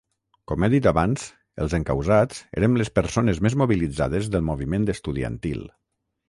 Com he dit abans, els encausats érem les persones més mobilitzades del moviment estudiantil.